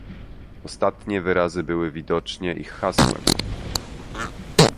"Ostatnie wyrazy były widocznie ich hasłem."